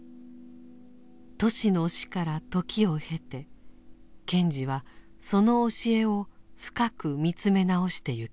トシの死から時を経て賢治はその教えを深く見つめ直してゆきます。